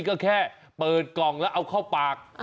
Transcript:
ก็แค่เปิดกล่องแล้วเอาเข้าปาก